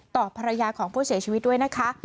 ภรรยาของผู้เสียชีวิตด้วยนะคะ